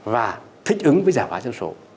và thích ứng với giả hóa dân số